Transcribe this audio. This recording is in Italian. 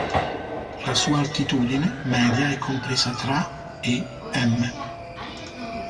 La sua altitudine media è compresa tra e m.